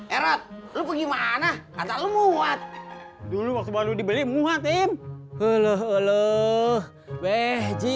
erot lu gimana katalu muat dulu waktu baru dibeli muat tim helo helo wehji